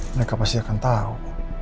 mereka pasti akan tahu